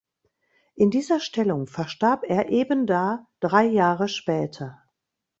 In dieser Stellung verstarb er ebenda drei Jahre später.